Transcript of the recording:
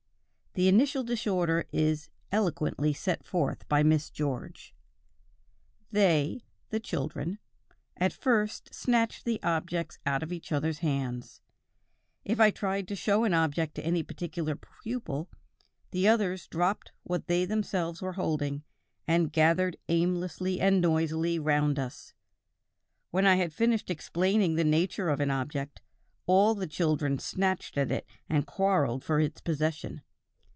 The initial disorder is eloquently set forth by Miss George: "They (the children) at first snatched the objects out of each other's hands; if I tried to show an object to any particular pupil, the others dropped what they themselves were holding and gathered aimlessly and noisily round us. When I had finished explaining the nature of an object, all the children snatched at it and quarreled for its possession.